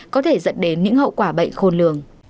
có thể dẫn đến những hậu quả bệnh khôn lường